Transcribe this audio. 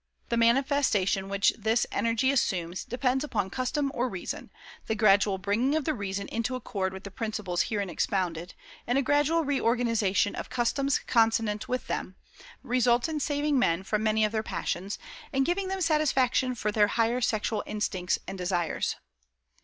The manifestation which this energy assumes depends upon custom or reason; the gradual bringing of the reason into accord with the principles herein expounded, and a gradual reorganization of customs consonant with them, results in saving men from many of their passions, and giving them satisfaction for their higher sexual instincts and desires."